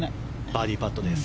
バーディーパットです。